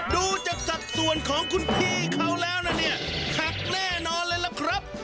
ดูจากสัดส่วนของคุณพี่เขาแล้วนะเนี่ยหักแน่นอนเลยล่ะครับ